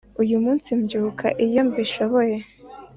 uyu munsi mbyuka iyo mbishoboye.